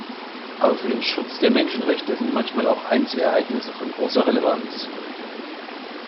Aber für den Schutz der Menschenrechte sind manchmal auch Einzelereignisse von großer Relevanz.